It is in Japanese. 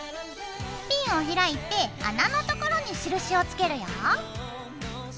ピンを開いて穴のところに印をつけるよ。ＯＫ！ＯＫ！